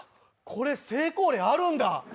これ成功例あるんだ？